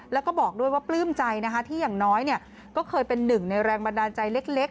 แล้วก็บอกด้วยว่าปลื้มใจนะคะที่อย่างน้อยก็เคยเป็นหนึ่งในแรงบันดาลใจเล็ก